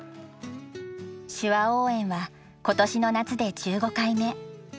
手話応援は今年の夏で１５回目。